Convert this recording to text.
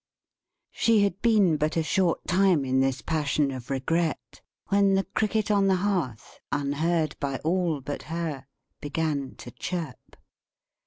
She had been but a short time in this passion of regret, when the Cricket on the Hearth, unheard by all but her, began to chirp.